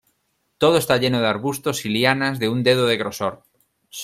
Todo esta lleno de arbustos y lianas de un dedo de grosor.